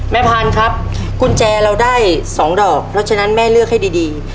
พานครับกุญแจเราได้๒ดอกเพราะฉะนั้นแม่เลือกให้ดี